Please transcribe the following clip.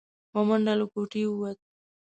په منډه له کوټې ووت.